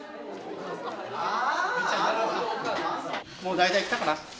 もう大体来たかな？